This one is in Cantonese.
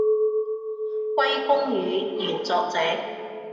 歸功於原作者